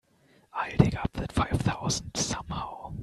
I'll dig up that five thousand somehow.